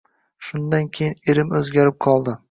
Shundan keyin erim o`zgarib qoldi